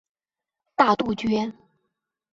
大杜鹃。